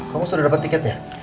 kamu sudah dapat tiketnya